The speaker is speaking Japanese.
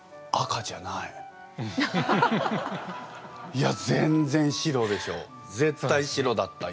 いや全然白でしょ。